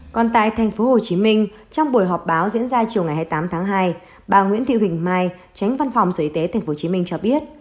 còn tại tp hcm trong buổi họp báo diễn ra chiều ngày hai mươi tám tháng hai bà nguyễn thị huỳnh mai tránh văn phòng sở y tế tp hcm cho biết